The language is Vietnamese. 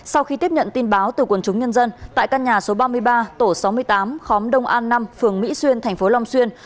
sau khi tiếp nhận tin báo từ quần chúng nhân dân tại căn nhà số ba mươi ba tổ sáu mươi tám khóm đông an năm phường mỹ xuyên thành phố long xuyên